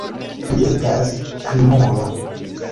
Vi estas krimulo.